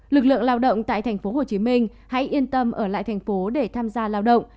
lực lượng lao động tại tp hcm hãy yên tâm ở lại tp hcm để tham gia lao động